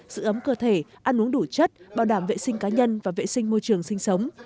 giữ ấm cơ thể ăn uống đủ chất bảo đảm vệ sinh cá nhân và vệ sinh môi trường sinh sống